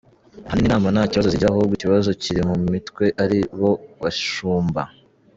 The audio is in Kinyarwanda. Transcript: Ahanini intama nta kibazo zigira ahubwo ikibazo kiri mu mitwe ari bo bashumba.